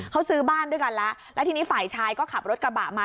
เขาซื้อบ้านด้วยกันแล้วแล้วทีนี้ฝ่ายชายก็ขับรถกระบะมา